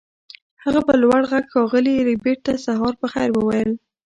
هغه په لوړ غږ ښاغلي ربیټ ته سهار په خیر وویل